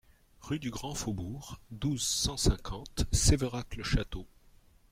RUE DU GRAND FAUBOURG, douze, cent cinquante Sévérac-le-Château